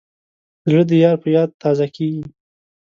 زړه د یار په یاد تازه کېږي.